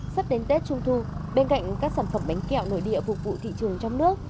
sắp đến tết trung thu bên cạnh các sản phẩm bánh kẹo nội địa phục vụ thị trường trong nước